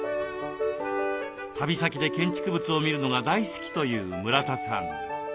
旅先で建築物を見るのが大好きという村田さん。